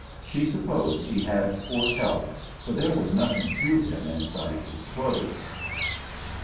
She supposed he had poor health, for there was nothing to him inside his clothes.